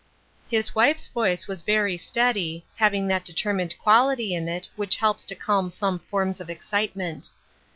His wife's voice was very steady, having that determined quality in it which helps to calm some forms of excitement.